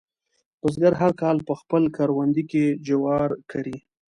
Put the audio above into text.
بزګر هر کال په خپل کروندې کې جوار کري.